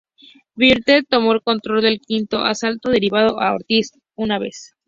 Wilder tomó el control del quinto asalto, derribando a Ortiz una vez.